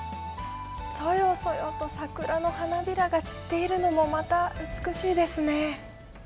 そよそよと桜の花びらが散っているのもまた美しいですね。